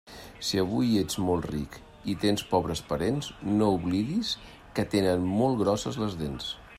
Si avui ets molt ric, i tens pobres parents, no oblidis que tenen molt grosses les dents.